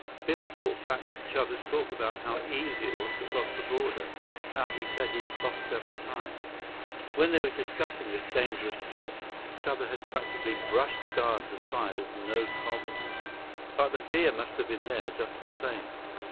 Biff thought back to Chuba's talk about how easy it was to cross the border, how he said he'd crossed several times. When they were discussing this dangerous trip, Chuba had practically brushed the guards aside as no problem. But the fear must have been there, just the same.